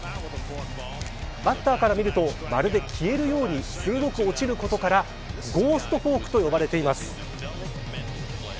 バッターから見るとまるで消えるように鋭く落ちることからゴースト・フォークと呼ばれています。